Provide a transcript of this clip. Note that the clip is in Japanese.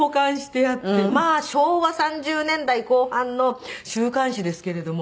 まあ昭和３０年代後半の週刊誌ですけれども。